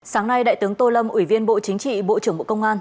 sáng nay đại tướng tô lâm ủy viên bộ chính trị bộ trưởng bộ công an